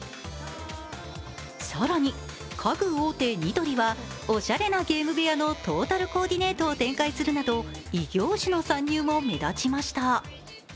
更に、家具大手・ニトリはおしゃれなゲーム部屋のトータルコーディネートを展開するなど異業種の参入も目立ちました。